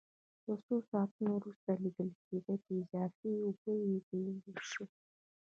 له څو ساعتونو وروسته لیدل کېږي چې اضافي اوبه یې بېلې شوې.